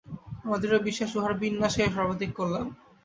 আমার দৃঢ় বিশ্বাস, উহার বিনাশেই সর্বাধিক কল্যাণ।